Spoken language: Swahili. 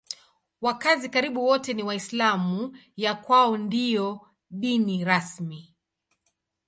Wakazi karibu wote ni Waislamu; ya kwao ndiyo dini rasmi.